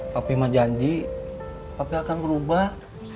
papi mah janji papi akan berubah